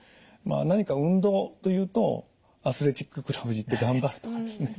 何か運動というとアスレチッククラブに行って頑張るとかですね